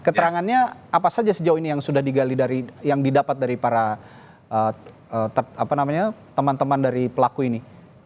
keterangannya apa saja sejauh ini yang sudah digali dari yang didapat dari para teman teman dari pelaku ini